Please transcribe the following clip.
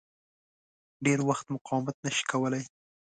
ډېر وخت مقاومت نه شي کولای.